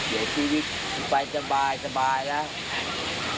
เจ้าที่นี้ไปสบายสบายแล้ว